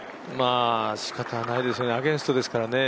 しかたないですよね、アゲンストですからね。